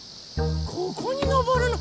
ここにのぼるの？